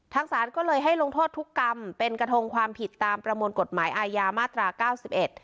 ศาลก็เลยให้ลงโทษทุกกรรมเป็นกระทงความผิดตามประมวลกฎหมายอาญามาตราเก้าสิบเอ็ด